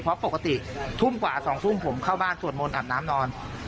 เพราะปกติทุ่มกว่า๒ทุ่มผมเข้าบ้านสวดมนต์อาบน้ำนอน